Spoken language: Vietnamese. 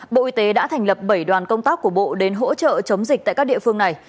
bộ y tế đã thành lập bảy đoàn công tác của bộ đến hỗ trợ chống dịch tại các địa phương này